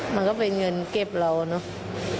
มันก็เป็นเงินเก็บเราเนอะ